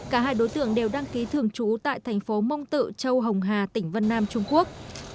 cả hai đối tượng đều đăng ký thường trú tại thành phố mông tự châu hồng hà tỉnh vân nam trung quốc